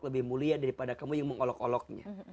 lebih mulia daripada kamu yang mengolok oloknya